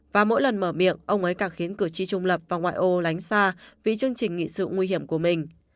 và mỗi lần mở miệng ông ấy càng khiến cử tri trung lập và ngoại ô lánh xa vì chương trình nghị sự nguy hiểm của mình